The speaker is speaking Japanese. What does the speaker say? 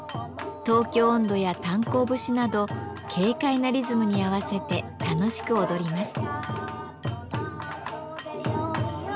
「東京音頭」や「炭坑節」など軽快なリズムに合わせて楽しく踊ります。